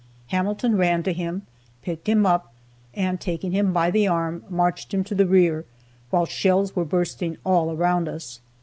Hamilton ran to him, picked him up, and taking him by the arm, marched him to the rear, while shells were bursting all around us.